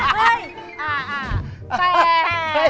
อ่าอ่าแต่